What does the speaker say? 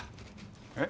えっ？